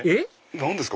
何ですか？